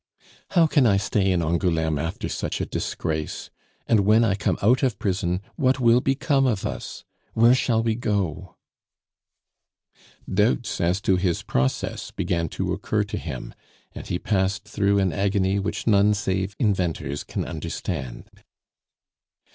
"How can I stay in Angouleme after such a disgrace? And when I come out of prison, what will become of us? Where shall we go?" Doubts as to his process began to occur to him, and he passed through an agony which none save inventors can understand.